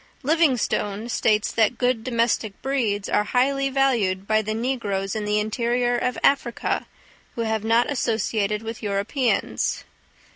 Livingstone states that good domestic breeds are highly valued by the negroes in the interior of Africa who have not associated with Europeans.